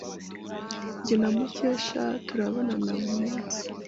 Jye na Mukesha turabonana buri munsi.